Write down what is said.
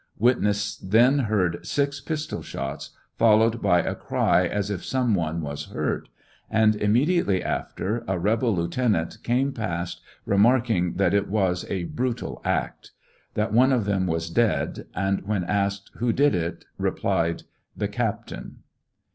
Witness then heard six pistol shots, followed by a cry as if some one was hurt, " and immediately after, a rebel lieutenant came past remarking that it was a brutal act ;"" that one of them was dead," and when asked " who did it," replied, "the captain."